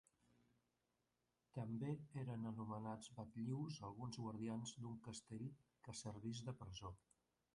També eren anomenats batllius alguns guardians d'un castell que servís de presó.